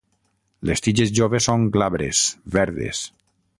Les tiges joves són glabres, verdes.